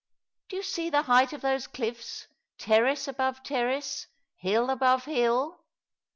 Do you see the height of those cliffs, terrace above terrace, hill above hill